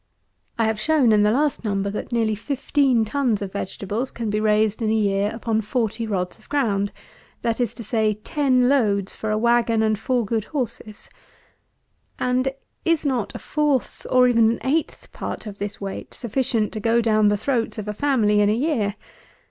I have shown, in the last Number, that nearly fifteen tons of vegetables can be raised in a year upon forty rods of ground; that is to say, ten loads for a wagon and four good horses. And is not a fourth, or even an eighth, part of this weight, sufficient to go down the throats of a family in a year?